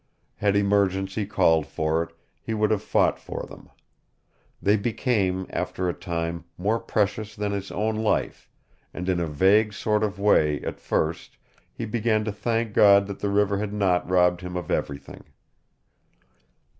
Had emergency called for it, he would have fought for them. They became, after a time, more precious than his own life, and in a vague sort of way at first he began to thank God that the river had not robbed him of everything.